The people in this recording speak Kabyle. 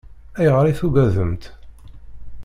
Ayɣer i tugademt?